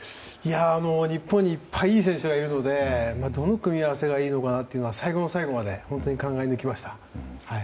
日本にいっぱいいい選手がいるのでどの組み合わせがいいのかなというのは最後の最後まで本当に考え抜きました。